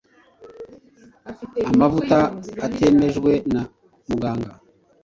Amavuta atemejwe na muganga